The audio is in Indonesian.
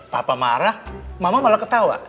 papa marah mama malah ketawa